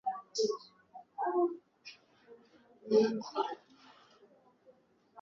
alisema Jumatatu kwamba wapiganaji wanaoaminika kuwa wanachama walivamia kijiji cha Bulongo katika jimbo la Kivu kaskazini,